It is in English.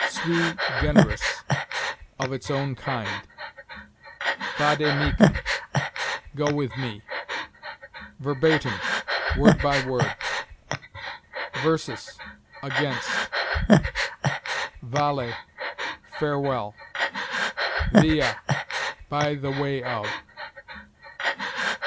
Sui generis: of its own kind. Vade mecum: go with me. Verbatim: word by word. Versus: against. Vale: fare well. Via: by the way of.